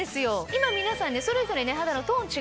今皆さんそれぞれ。